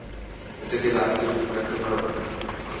এটা কি লাকি নাকি নয়?